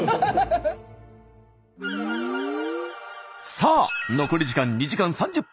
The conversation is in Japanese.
さあ残り時間２時間３０分。